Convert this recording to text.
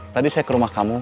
tadi saya ke rumah kamu